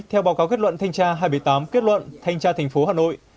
theo báo cáo kết luận thanh tra hai trăm tám mươi tám kết luận thanh tra thành phố hà nội